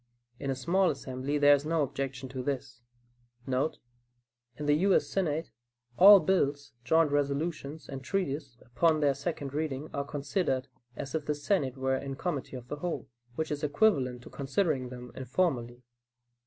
In a small assembly there is no objection to this.* [In the U. S. Senate all bills, joint resolutions and treaties, upon their second reading are considered "as if the Senate were in committee of the whole," which is equivalent to considering them informally.